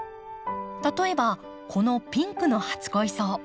例えばこのピンクの初恋草。